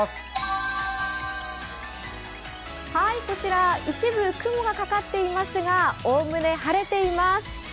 こちら一部雲がかかっていますがおおむね晴れています。